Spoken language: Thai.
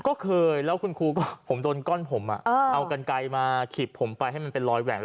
ก็เคยแล้วคุณครูก็ผมโดนก้อนผมเอากันไกลมาขีบผมไปให้มันเป็นรอยแหว่งแล้ว